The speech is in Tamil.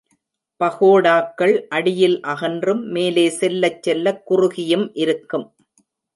பகோடாக்கள் அடியில் அகன்றும் மேலே செல்லச் செல்லக் குறுகியும் இருக்கும்.